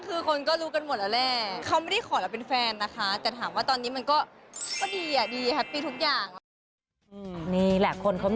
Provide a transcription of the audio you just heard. คือคนก็รู้กันหมดแล้วแหละ